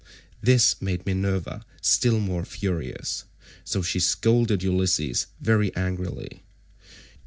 This made Minerva still more furious, so she scolded Ulysses very angrily.